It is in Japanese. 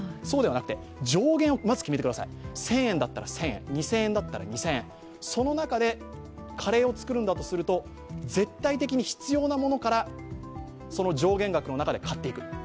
そうではなくて、上限をまず決めてください、１０００円だったら１０００円、２０００円だったら２０００円、その中でカレーを作るんだとすると絶対的に必要なものからその上限額の中で買っていく。